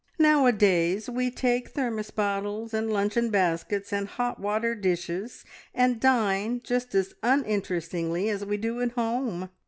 Nowadays we take thermos bottles, and luncheon baskets, and hot water dishes, and dine just as uninterestingly as we do at home!